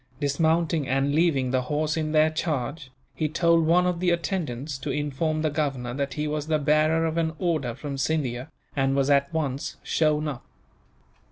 Dismounting, and leaving the horse in their charge, he told one of the attendants to inform the governor that he was the bearer of an order from Scindia, and was at once shown up.